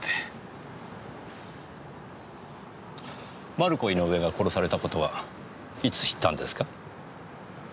マルコ・イノウエが殺された事はいつ知ったんですか？